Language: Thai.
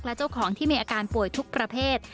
และเจ้าของที่มีอาการป่วยทุกประเภท